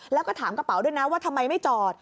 แล้วก็ถามกระเป๋าด้วยนะว่าทำไมไม่จอด